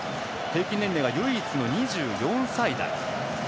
平均年齢が唯一の２４歳台。